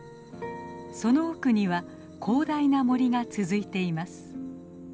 その奥には広大な森が続いています。